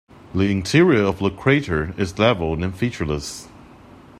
The interior of the crater is level and featureless.